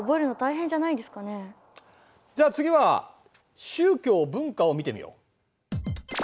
じゃあ次は宗教文化を見てみよう。